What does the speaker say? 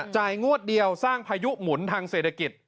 งวดเดียวสร้างพายุหมุนทางเศรษฐกิจ